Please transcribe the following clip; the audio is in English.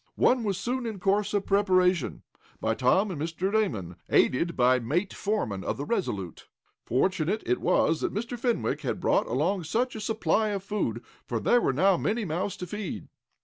One was soon in course of preparation by Tom and Mr. Damon, aided by Mate Fordam, of the RESOLUTE. Fortunate it was that Mr. Fenwick had brought along such a supply of food, for there were now many mouths to feed.